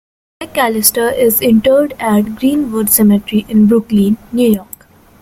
McAllister is interred at Green-Wood Cemetery in Brooklyn, New York.